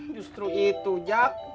justru itu jak